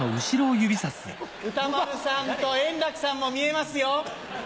歌丸さんと円楽さんも見えますよ。